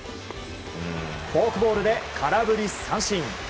フォークボールで空振り三振。